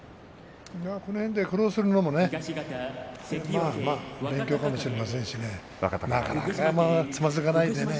この辺で苦労するのもまあまあ勉強かもしれませんしね。